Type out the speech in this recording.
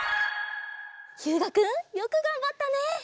ひゅうがくんよくがんばったね。